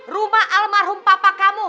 rumah almarhum papa kamu